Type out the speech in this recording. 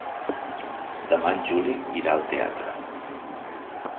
Demà en Juli irà al teatre.